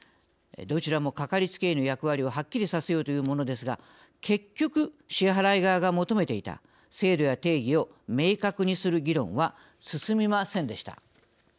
どちらもかかりつけ医の役割をはっきりさせようというものですが結局支払い側が求めていた制度や定義を明確にする議論は進みませんでした。